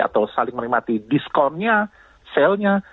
atau saling menikmati diskonnya selnya